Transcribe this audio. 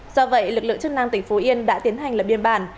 do vậy lực lượng chức năng tỉnh phú yên đã tiến hành lập biên bản